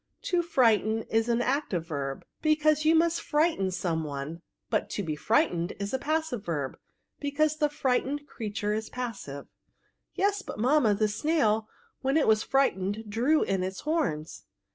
To frighten is an active verb^ because you VERBS. 61 must frighten some one ; but to be frightened is a passive verb^ because tbe frightened creature is passive." " Yes, but mamma, the snail, when it was frightened, drew in its horns."